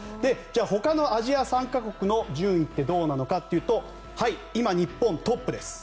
ほかのアジア参加国の順位ってどうなのかというと今、日本はトップです。